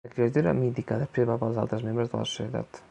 La criatura mítica després va pels altres membres de la societat.